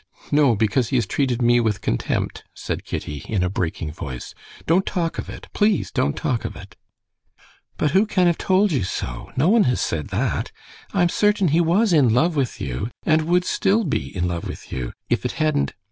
"No, because he has treated me with contempt," said Kitty, in a breaking voice. "Don't talk of it! Please, don't talk of it!" "But who can have told you so? No one has said that. I'm certain he was in love with you, and would still be in love with you, if it hadn't...."